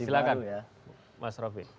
silahkan mas rofi